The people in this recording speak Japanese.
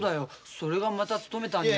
それがまた勤めたんじゃ。